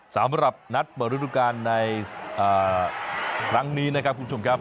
สำหรับนัดเปิดฤดูการในครั้งนี้นะครับคุณผู้ชมครับ